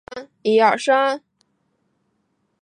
黑尔布斯泰因是德国黑森州的一个市镇。